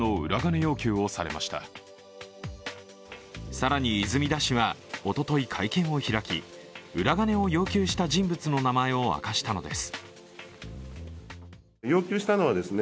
更に泉田氏はおととい、会見を開き、裏金を要求した人物の名前を明かしたのです。